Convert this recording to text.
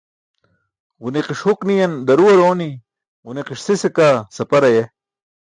Ġuniqiṣ huk niyan daruwar ooni, ġuniqiṣ sise kaa sapar aye.